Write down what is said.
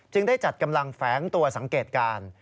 ได้จัดกำลังแฝงตัวสังเกตการ